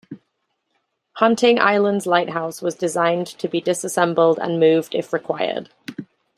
Hunting Island's Lighthouse was designed to be disassembled and moved if required.